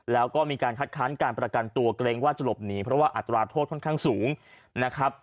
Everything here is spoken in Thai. แล้วก็มีการคัดค้านการประกันตัวเกรงว่าจะหลบหนีเพราะว่าอัตราโทษค่อนข้างสูงนะครับ